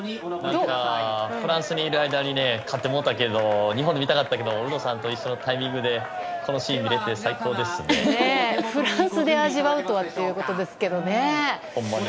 フランスにいる間に勝ってもうたけど日本で見たかったけど有働さんと一緒のタイミングでフランスで味わうとはということですけどね。